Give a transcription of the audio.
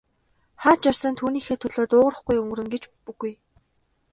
Хаа ч явсан түүнийхээ төлөө дуугарахгүй өнгөрнө гэж үгүй.